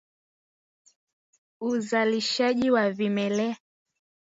Uzalishaji wa vimelea